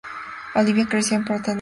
Olivia creció en Portland, Oregón.